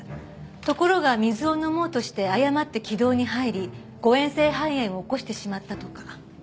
ところが水を飲もうとして誤って気道に入り誤嚥性肺炎を起こしてしまったとか。